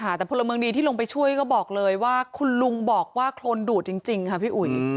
แต่พลเมืองดีที่ลงไปช่วยก็บอกเลยว่าคุณลุงบอกว่าโครนดูดจริงค่ะพี่อุ๋ย